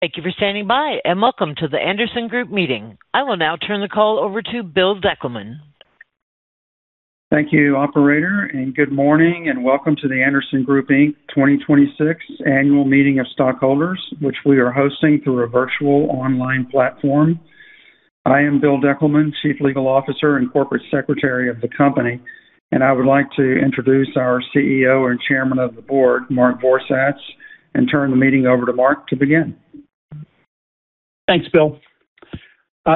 Thank you for standing by, and welcome to the Andersen Group meeting. I will now turn the call over to Bill Deckelman. Thank you, operator, and good morning, and welcome to the Andersen Group Inc 2026 Annual Meeting of Stockholders, which we are hosting through a virtual online platform. I am Bill Deckelman, Chief Legal Officer and Corporate Secretary of the company, and I would like to introduce our CEO and Chairman of the Board, Mark Vorsatz, and turn the meeting over to Mark to begin. Thanks, Bill.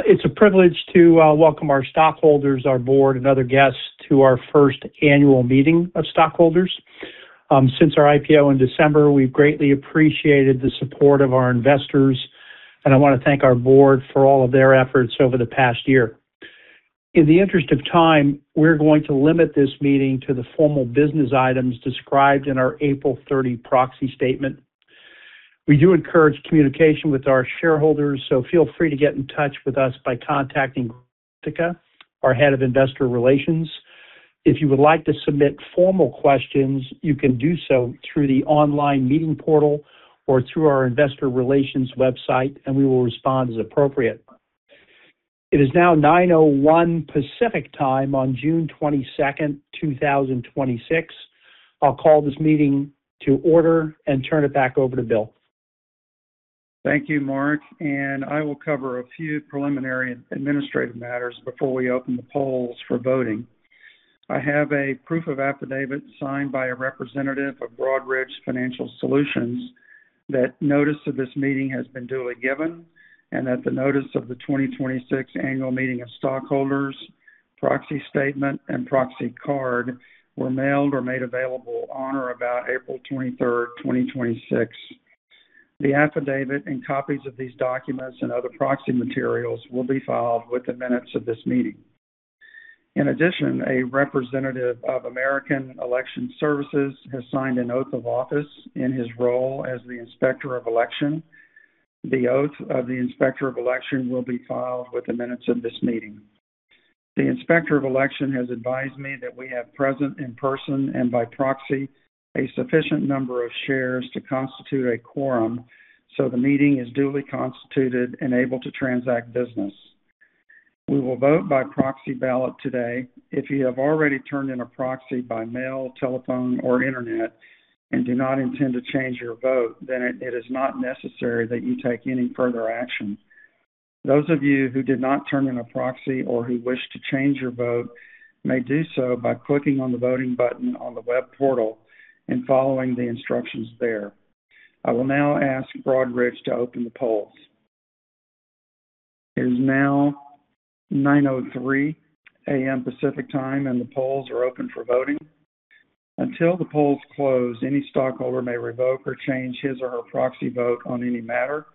It's a privilege to welcome our stockholders, our Board, and other guests to our first Annual Meeting of Stockholders. Since our IPO in December, we've greatly appreciated the support of our investors, and I want to thank our Board for all of their efforts over the past year. In the interest of time, we're going to limit this meeting to the formal business items described in our April 30 Proxy Statement. We do encourage communication with our shareholders, so feel free to get in touch with us by contacting Gregory Vistica, our Head of Investor Relations. If you would like to submit formal questions, you can do so through the online meeting portal or through our investor relations website, and we will respond as appropriate. It is now 9:01 A.M. Pacific Time on June 22nd, 2026. I'll call this meeting to order and turn it back over to Bill. Thank you, Mark. I will cover a few preliminary and administrative matters before we open the polls for voting. I have a proof of affidavit signed by a representative of Broadridge Financial Solutions that notice of this meeting has been duly given and that the Notice of the 2026 Annual Meeting of Stockholders, Proxy Statement, and Proxy Card were mailed or made available on or about April 23rd, 2026. The affidavit and copies of these documents and other proxy materials will be filed with the minutes of this meeting. In addition, a representative of American Election Services has signed an oath of office in his role as the Inspector of Election. The oath of the Inspector of Election will be filed with the minutes of this meeting The Inspector of Election has advised me that we have present in person and by proxy a sufficient number of shares to constitute a quorum, so the meeting is duly constituted and able to transact business. We will vote by proxy ballot today. If you have already turned in a proxy by mail, telephone, or internet and do not intend to change your vote, then it is not necessary that you take any further action. Those of you who did not turn in a proxy or who wish to change your vote may do so by clicking on the voting button on the web portal and following the instructions there. I will now ask Broadridge to open the polls. It is now 9:03 A.M. Pacific Time, and the polls are open for voting. Until the polls close, any stockholder may revoke or change his or her proxy vote on any matter.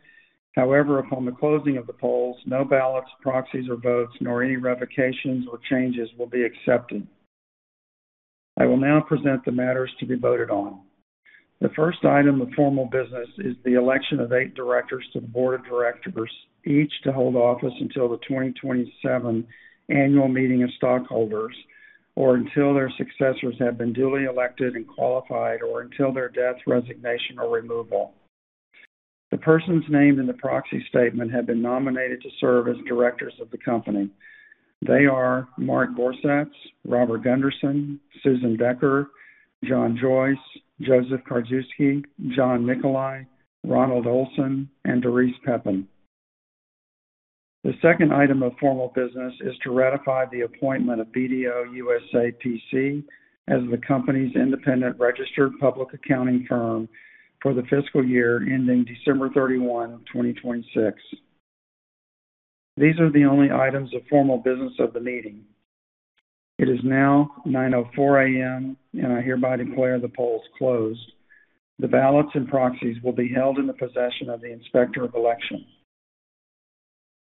However, upon the closing of the polls, no ballots, proxies, or votes, nor any revocations or changes will be accepted. I will now present the matters to be voted on. The first item of formal business is the election of eight directors to the Board of Directors, each to hold office until the 2027 Annual Meeting of Stockholders or until their successors have been duly elected and qualified or until their death, resignation, or removal. The persons named in the proxy statement have been nominated to serve as directors of the company. They are Mark Vorsatz, Robert Gunderson, Susan Decker, John Joyce, Joseph Karczewski, John Nicolai, Ronald Olson, and Dorice Pepin. The second item of formal business is to ratify the appointment of BDO USA, PC as the company's independent registered public accounting firm for the fiscal year ending December 31, 2026. These are the only items of formal business of the meeting. It is now 9:04 A.M., and I hereby declare the polls closed. The ballots and proxies will be held in the possession of the Inspector of Election.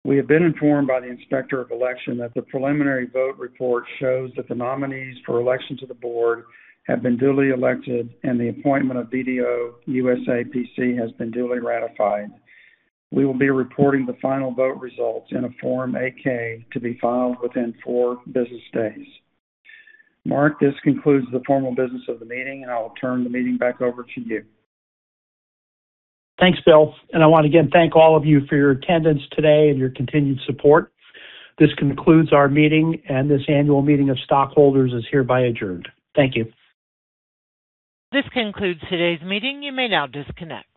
We have been informed by the Inspector of Election that the preliminary vote report shows that the nominees for election to the Board have been duly elected and the appointment of BDO USA, PC has been duly ratified. We will be reporting the final vote results in a Form 8-K to be filed within four business days. Mark, this concludes the formal business of the meeting, and I will turn the meeting back over to you. Thanks, Bill. I want to again thank all of you for your attendance today and your continued support. This concludes our meeting, and this Annual Meeting of Stockholders is hereby adjourned. Thank you. This concludes today's meeting. You may now disconnect.